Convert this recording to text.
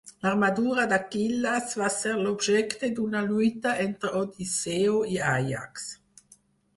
L'armadura d'Aquil·les va ser objecte d'una lluita entre Odisseu i Àiax.